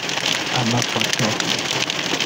amafoto